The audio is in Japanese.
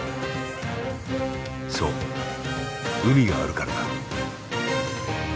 そう海があるからだ。